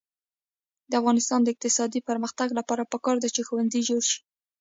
د افغانستان د اقتصادي پرمختګ لپاره پکار ده چې ښوونځي جوړ شي.